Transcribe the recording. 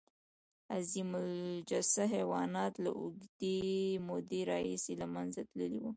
عظیم الجثه حیوانات له اوږدې مودې راهیسې له منځه تللي وو.